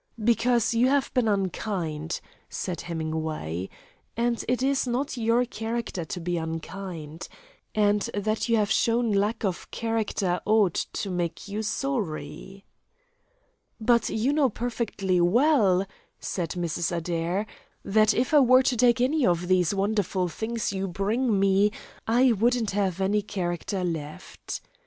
"Because you have been unkind," said Hemingway, "and it is not your character to be unkind. And that you have shown lack of character ought to make you sorry." "But you know perfectly well," said Mrs. Adair, "that if I were to take any one of these wonderful things you bring me, I wouldn't have any character left."